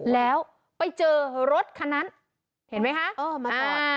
แล้วไปเจอรถคะนั้นเห็นไหมคะ